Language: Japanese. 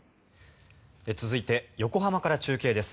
続いて横浜から中継です。